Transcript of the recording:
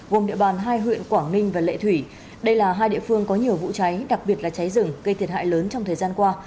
gồm địa bàn hai huyện quảng ninh và lệ thủy đây là hai địa phương có nhiều vụ cháy đặc biệt là cháy rừng gây thiệt hại lớn trong thời gian qua